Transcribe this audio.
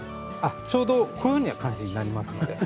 ちょうどこういう感じになりますので。